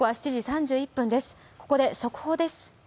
ここで速報です。